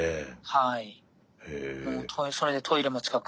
はい。